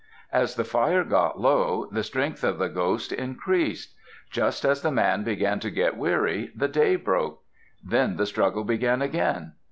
As the fire got low, the strength of the ghost increased. Just as the man began to get weary, the day broke. Then the struggle began again.